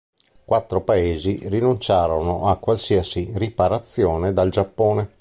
Quattro Paesi rinunciarono a qualsiasi riparazione dal Giappone.